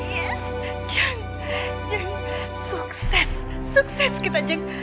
yes jeng jeng sukses sukses kita jeng